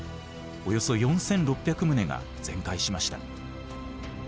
およそ４，６００棟が全壊しました。